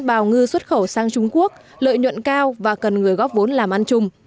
bảo ngư xuất khẩu sang trung quốc lợi nhuận cao và cần người góp vốn làm ăn chung